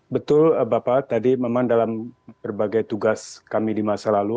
betul bapak tadi memang dalam berbagai tugas kami di masa lalu